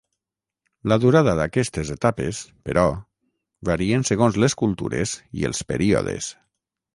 La durada d'aquestes etapes, però, varien segons les cultures i els períodes.